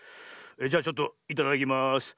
じゃちょっといただきます。